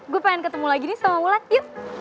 gue pengen ketemu lagi nih sama wulet yuk